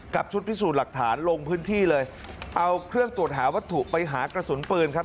ชุดพิสูจน์หลักฐานลงพื้นที่เลยเอาเครื่องตรวจหาวัตถุไปหากระสุนปืนครับ